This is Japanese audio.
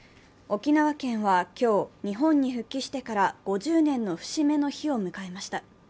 沖縄県は今日、日本に復帰してから５０年の節目の日を迎えました。